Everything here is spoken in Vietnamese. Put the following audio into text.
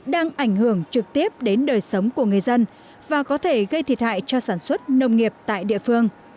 đang ảnh hưởng trực tiếp đến đời sống của người dân và có thể gây thiệt hại cho sản xuất nông nghiệp tại địa phương